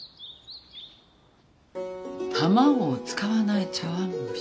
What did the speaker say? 「卵を使わない茶碗蒸し」